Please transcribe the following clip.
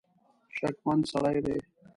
شکمن سړی دی.